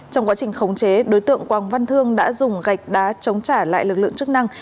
trong quá trình khống chế đối tượng quang văn thương đã dùng gạch đá chống trả lại lực lượng chức năng